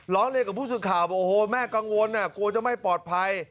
ล้อเลกกับผู้สื่อข่าวแม่กังวลกลัวจะไม่ปลอดภัย